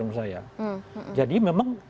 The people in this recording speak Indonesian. menurut saya jadi memang